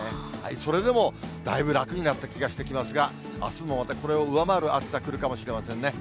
それでもだいぶ楽になった気がしてきますが、あすもまたこれを上回る暑さ来るかもしれませんね。